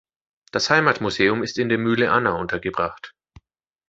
Das Heimatmuseum ist in der Mühle Anna untergebracht.